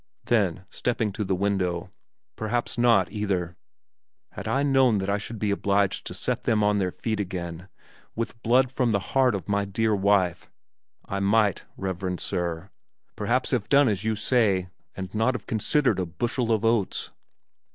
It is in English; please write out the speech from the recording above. Then, stepping to the window, "Perhaps not, either! Had I known that I should be obliged to set them on their feet again with blood from the heart of my dear wife, I might, reverend Sir, perhaps have done as you say and not have considered a bushel of oats!